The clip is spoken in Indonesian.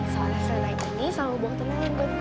salah salah ini sama botolnya yang buat gue